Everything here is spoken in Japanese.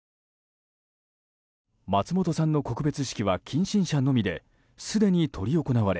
松本さんの告別式は近親者のみですでに執り行われ